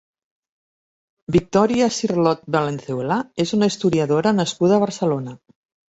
Victòria Cirlot Valenzuela és una historiadora nascuda a Barcelona.